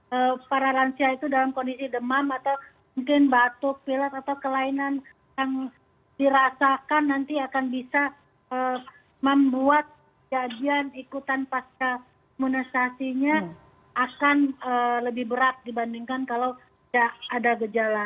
karena para lansia itu dalam kondisi demam atau mungkin batuk pilat atau kelainan yang dirasakan nanti akan bisa membuat jadian ikutan pasca imunisasinya akan lebih berat dibandingkan kalau tidak ada gejala